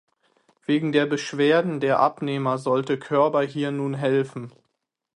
Wegen der Beschwerden der Abnehmer sollte Körber hier nun helfen.